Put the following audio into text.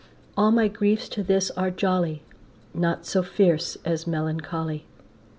All my griefs to this are jolly, Naught so fierce as melancholy.